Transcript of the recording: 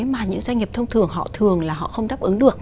mà những doanh nghiệp thông thường họ thường là họ không đáp ứng được